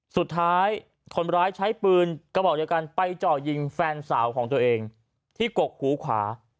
สุดท้ายคนร้ายใช้ปืนกระบอกเดียวกันไปเจาะยิงแฟนสาวของตัวเองที่กกหูขวา